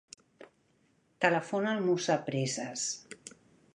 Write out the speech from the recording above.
Telefona al Musa Presas.